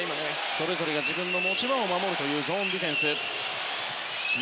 それぞれが自分の持ち場を守るというゾーンディフェンスです。